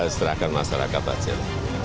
pak ada anggapan